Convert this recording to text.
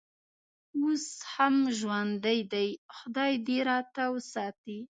اوس هم ژوندی دی، خدای دې راته وساتي.